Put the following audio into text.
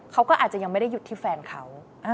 เขาก็อาจจะยังไม่ได้หยุดที่แฟนเขา